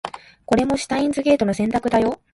これもシュタインズゲートの選択だよ